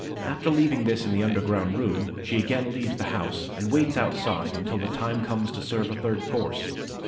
After leaving this in the underground room she again leaves the house and waits outside until the time comes to serve a third course.